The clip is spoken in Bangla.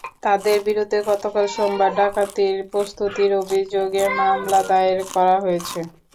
তাঁদের বিরুদ্ধে গতকাল সোমবার ডাকাতির প্রস্তুতির অভিযোগে মামলা দায়ের করা হয়েছে।